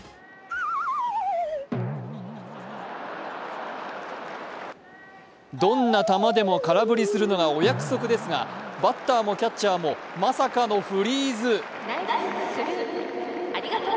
果たしてどんな球でも空振りするのがお約束ですが、バッターもキャッチャーもまさかのフリーズ。